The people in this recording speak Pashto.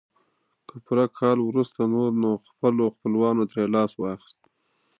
خو پوره کال وروسته نور نو خپل خپلوانو ترې لاس واخيست.